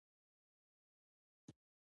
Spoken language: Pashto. راځئ رښتیا ووایو، لانجه ختمه کړو.